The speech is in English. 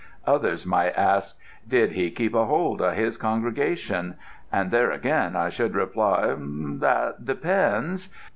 Others might ask, 'Did he keep a hold of his congregation?' and there again I should reply, 'That depends.'